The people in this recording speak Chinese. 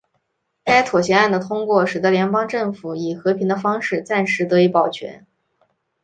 该妥协案的通过使得联邦政府以和平的方式暂时得以保全。